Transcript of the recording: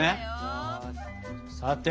さて。